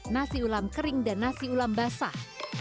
nasi ulam kering dan nasi ulam basah